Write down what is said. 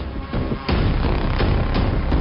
อ่าคุณผู้ชมไม่แน่ใจนะคะว่าได้ติดตามค้าวิทยาลัยภาษาอังกฤษนะครับ